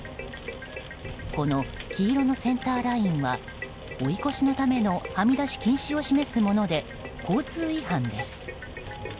この黄色のセンターラインは追い越しのためのはみ出し禁止を示すもので交通違反です。